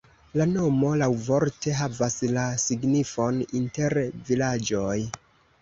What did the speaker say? La nomo laŭvorte havas la signifon: inter vilaĝoj.